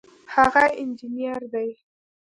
هغه انجینر دی